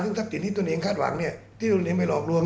ซึ่งทรัพย์สินที่ตนเองคาดหวังที่ตัวเองไปหลอกลวง